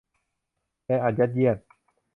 แออัดยัดเยียด